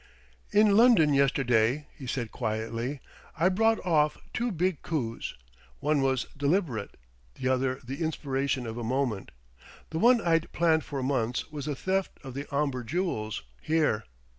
"In London, yesterday," he said quietly, "I brought off two big coups. One was deliberate, the other the inspiration of a moment. The one I'd planned for months was the theft of the Omber jewels here."